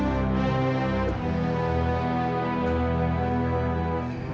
jangan lupa buat mama